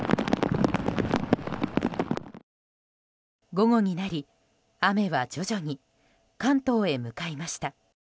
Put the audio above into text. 午後になり、雨は徐々に関東へ向かいました。